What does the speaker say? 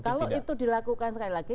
kalau itu dilakukan sekali lagi